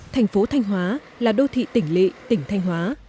thành phố thanh hóa là đô thị tỉnh lị tỉnh thanh hóa